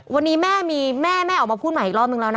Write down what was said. วันนี้แม่ออกมาพูดใหม่อีกรอบหนึ่งแล้วนะครับ